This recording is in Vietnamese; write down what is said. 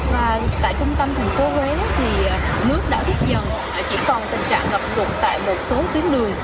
và tại trung tâm thành phố huế thì nước đã rút dần chỉ còn tình trạng ngập rụt tại một số tuyến đường